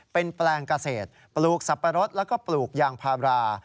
เป็นแปลงเกษตรปลูกสับปะรดแล้วก็ปลูกยางพารา